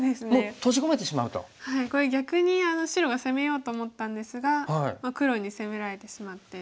これ逆に白が攻めようと思ったんですが黒に攻められてしまって。